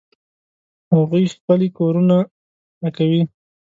هغوی خپلې کورونه پاکوي